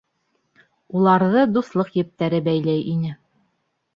Уларҙы дуҫлыҡ ептәре бәйләй ине